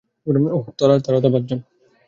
ওরা তো পাঁচজন।